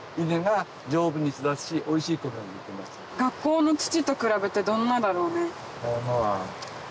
学校の土と比べてどんなだろうね？